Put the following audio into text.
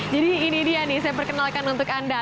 jadi ini dia nih saya perkenalkan untuk anda